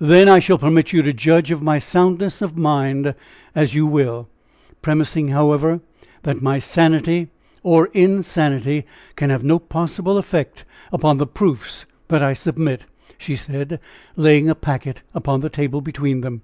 Then I shall permit you to judge of my soundness of mind as you will, premising, however, that my sanity or insanity can have no possible effect upon the proofs that I submit," she said, laying a packet upon the table between them.